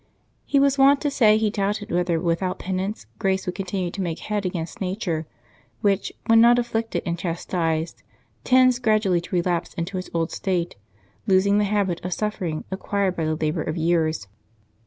He was wont to say he doubted whether without penance grace would continue to make head against nature, which, when not afflicted and chas^sed, tends grad ually to relapse into its old state, losing the habit of suffer June 22] LIVES OF TEE SAINTS 225 ing acquired by the labor of years.